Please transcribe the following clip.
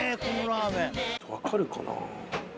わかるかな？